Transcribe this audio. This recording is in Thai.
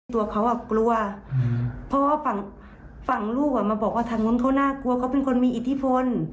ตัวเขากลัวเพราะว่าฝั่งลูกมาบอกว่าทางนู้นเขาน่ากลัวเขาเป็นคนมีอิทธิพล